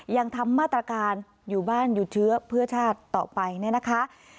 ยังทำมาตรการอยู่บ้านหยุดเชื้อเพื่อชาติต่อไปเนี่ยนะคะ